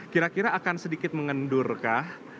kira kira akan sedikit mengendur kah